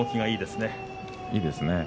いいですね。